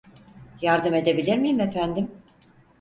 Yardım edebilir miyim efendim?